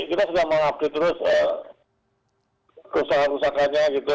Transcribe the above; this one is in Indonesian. kita sudah mengupdate terus keusahanya usahanya gitu